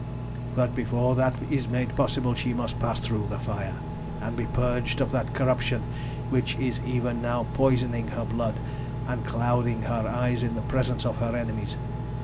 "But before that is made possible she must pass through the fire, and be purged of that corruption which is even now poisoning her blood and clouding her eyes in the presence of her enemies.